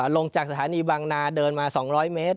ลงจากสถานีบางนาเดินมา๒๐๐เมตร